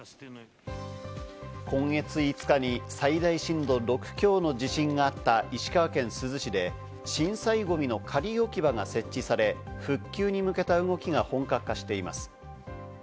今月５日に最大震度６強の地震があった石川県珠洲市で、震災ゴミの仮置き場が設置され、復旧に向けた動きが本格化しています。